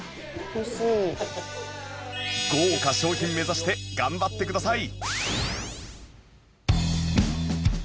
豪華賞品目指して頑張ってください！